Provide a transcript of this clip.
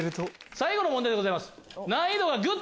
最後の問題でございます。